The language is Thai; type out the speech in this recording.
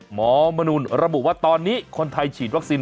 มนุนระบุว่าตอนนี้คนไทยฉีดวัคซีน